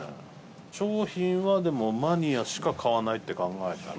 商品は、でも、マニアしか買わないって考えたら。